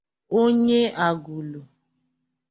onye Agụlụ